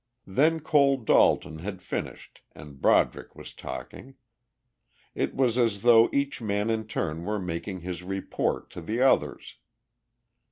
Then Cole Dalton had finished and Broderick was talking. It was as though each man in turn were making his report to the others.